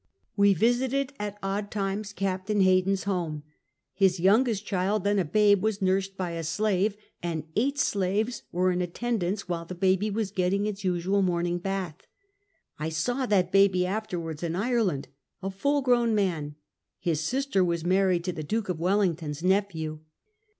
We visited, at odd times. Captain Hay den's home. His youngest child, then a babe, was nursed by a slave, and eight slaves were in attendance while the baby was getting its usual morning bath. I saw that baby afterwards in Ireland, a full grown man. His sister was married to the Duke of Wellington's nephew.